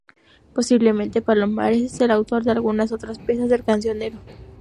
Posiblemente, Palomares es el autor de algunas otras piezas del cancionero.